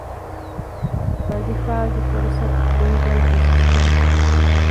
ވަޒިފާގެ ފުރުސަތު - ލީގަލް އެސިސްޓަންޓް